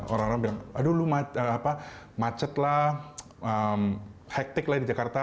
orang orang bilang aduh lu macet lah hektik lah di jakarta